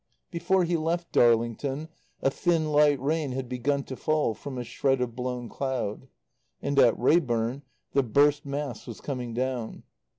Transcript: Before he left Darlington, a thin, light rain had begun to fall from a shred of blown cloud; and at Reyburn the burst mass was coming down.